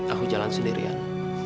aku jalan sendirian